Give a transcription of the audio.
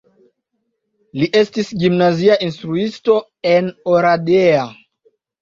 Li estis gimnazia instruisto en Oradea.